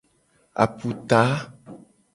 Aputa.